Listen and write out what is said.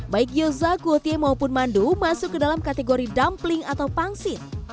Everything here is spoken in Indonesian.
baik gyoza kuotie maupun mandu masuk ke dalam kategori dumpling atau pangsit